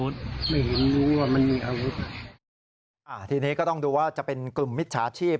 ทีนี้ก็ต้องดูว่าจะเป็นกลุ่มมิจฉาชีพ